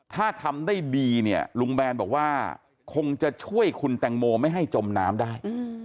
ถ้าทำได้ดีเนี่ยลุงแบนบอกว่าคงจะช่วยคุณแตงโมไม่ให้จมน้ำได้